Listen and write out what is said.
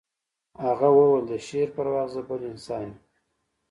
هغه وویل د شعر پر وخت زه بل انسان یم